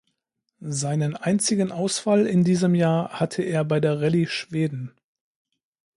Seinen einzigen Ausfall in diesem Jahr hatte er bei der Rallye Schweden.